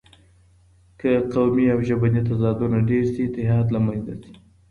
که قومي او ژبني تضادونه ډېر شي، اتحاد له منځه ځي.